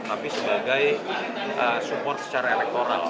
tapi sebagai support secara elektoral